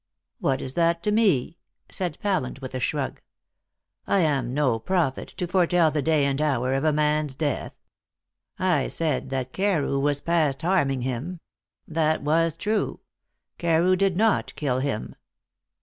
"What is that to me?" said Pallant with a shrug. "I am no prophet, to foretell the day and hour of a man's death. I said that Carew was past harming him. That was true. Carew did not kill him."